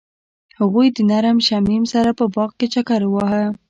هغوی د نرم شمیم سره په باغ کې چکر وواهه.